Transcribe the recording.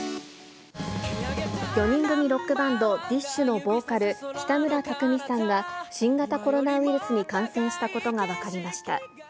４人組ロックバンド、ＤＩＳＨ／／のボーカル、北村匠海さんが、新型コロナウイルスに感染したことが分かりました。